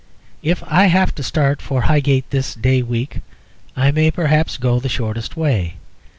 If I have to start for High gate this day week, I may perhaps go the shortest way.